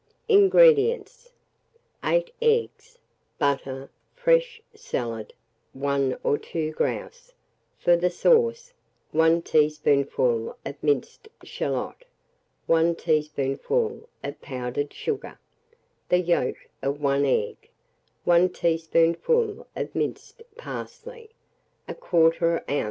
INGREDIENTS. 8 eggs, butter, fresh salad, 1 or 2 grouse; for the sauce, 1 teaspoonful of minced shalot, 1 teaspoonful of pounded sugar, the yolk of 1 egg, 1 teaspoonful of minced parsley, 1/4 oz.